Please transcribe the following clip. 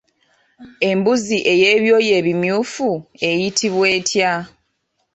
Embuzi ey'ebyoya ebimyufu eyitibwa?